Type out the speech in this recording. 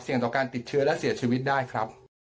ต่อการติดเชื้อและเสียชีวิตได้ครับ